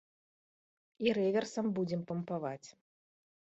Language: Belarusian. І рэверсам будзем пампаваць.